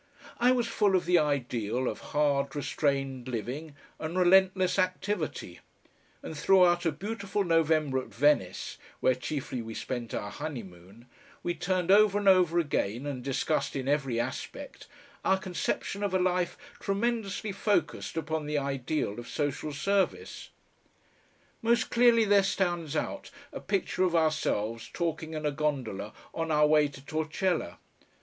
I was full of the ideal of hard restrained living and relentless activity, and throughout a beautiful November at Venice, where chiefly we spent our honeymoon, we turned over and over again and discussed in every aspect our conception of a life tremendously focussed upon the ideal of social service. Most clearly there stands out a picture of ourselves talking in a gondola on our way to Torcella.